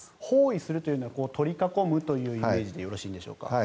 包囲するというのは取り囲むというイメージでよろしいんでしょうか。